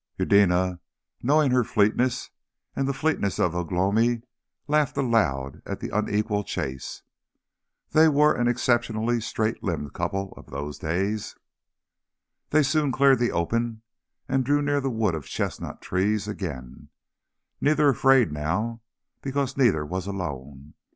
Eudena, knowing her fleetness and the fleetness of Ugh lomi, laughed aloud at the unequal chase. They were an exceptionally straight limbed couple for those days. They soon cleared the open, and drew near the wood of chestnut trees again neither afraid now because neither was alone.